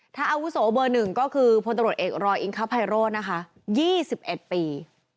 ถ้าอาวุโสเบอร์หนึ่งก็คือพลตำรวจเอกรอยอิงคับไพโรนะคะยี่สิบเอ็ดปี